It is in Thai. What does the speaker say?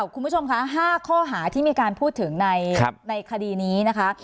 คุณผู้ชมคะ๕ข้อหาที่มีการพูดถึงในคดีนี้นะคะ